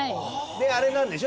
であれなんでしょ？